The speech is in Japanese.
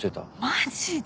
マジで？